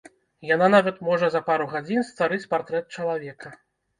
Яна нават можа за пару гадзін стварыць партрэт чалавека.